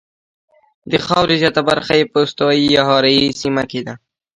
د خاورې زیاته برخه یې په استوایي یا حاره یې سیمه کې ده.